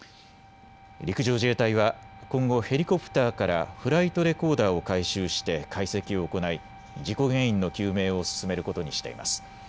陸上自衛隊は今後、ヘリコプターからフライトレコーダーを回収して解析を行い事故原因の究明を進めることにしています。